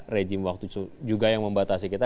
rejim waktu juga yang membatasi kita